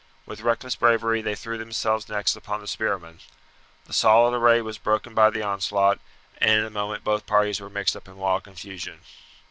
With reckless bravery they threw themselves next upon the spearmen. The solid array was broken by the onslaught, and in a moment both parties were mixed up in wild confusion.